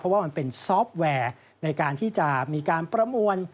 ว่ามันเป็นซอฟต์แวร์ในการที่จะมีการประมวล